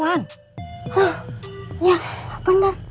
hah ya bener